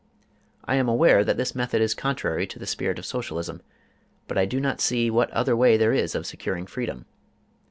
I am aware that this method is contrary to the spirit of Socialism, but I do not see what other way there is of securing freedom.